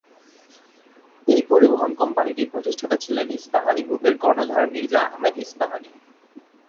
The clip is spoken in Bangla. এই পরিবহন কোম্পানিটির প্রতিষ্ঠাতা ছিলেন ইস্পাহানি গ্রুপের কর্ণধার মির্জা আহমেদ ইস্পাহানি।